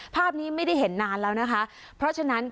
ภาพนี้ไม่ได้เห็นนานแล้วนะคะเพราะฉะนั้น